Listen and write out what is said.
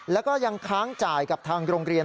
แล้วก็ยังค้างจ่ายกับทางโรงเรียน